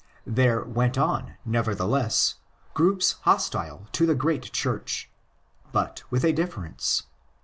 There went on, nevertheless, groups hostile to the great Church; but with a difference.